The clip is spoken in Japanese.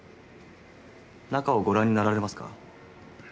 中をご覧になられますか？